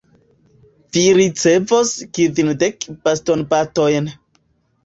Vi ricevos kvindek bastonbatojn.